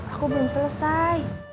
aku belum selesai